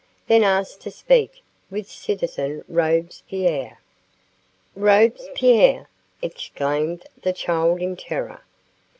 Then ask to speak with citizen Robespierre." "Robespierre?" exclaimed the child in terror.